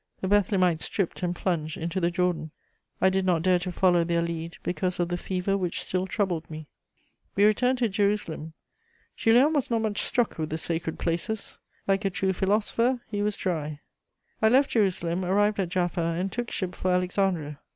"The Bethlemites stripped and plunged into the Jordan. I did not dare to follow their lead, because of the fever which still troubled me." [Sidenote: Jerusalem.] We returned to Jerusalem; Julien was not much struck with the sacred places: like a true philosopher, he was dry. I left Jerusalem, arrived at Jaffa, and took ship for Alexandria.